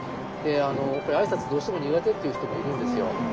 あいさつどうしても苦手っていう人もいるんですよ。